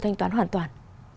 thanh toán hoàn toàn